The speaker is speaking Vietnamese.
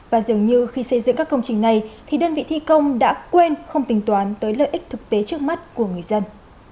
và dường như khi xây dựng các công trình này thì đơn vị thi công đã quên không tính toán tới lợi ích thực tế trước mắt của người dân